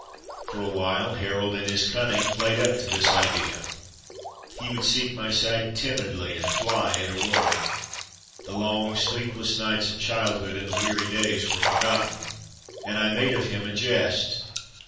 For a while Harold, in his cunning, played up to this idea. He would seek my side timidly, and fly at a word. The long, sleepless nights of childhood and the weary days were forgotten, and I made of him a jest.